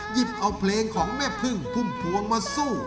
หยิบเอาเพลงของแม่พึ่งพุ่มพวงมาสู้